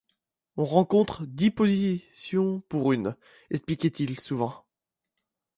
On rencontre dix positions pour une, expliquait-il souvent.